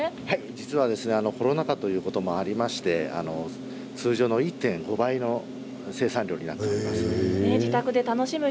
はい、実はコロナ禍ということもありまして通常の１．５倍の生産量になっております。